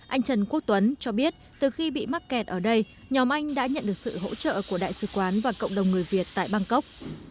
anh trần quốc tuấn cho biết từ khi bị mắc kẹt ở đây nhóm anh đã nhận được sự hỗ trợ của đại sứ quán và cộng đồng người việt tại bangkok